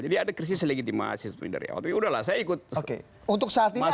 jadi ada krisis legitimasi dari awal tapi sudah lah saya ikut masuk ke makam kemas